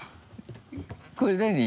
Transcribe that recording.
これ何？